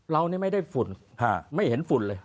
เรานี่ไม่ได้ฝุ่นไม่เห็นฝุ่นเลย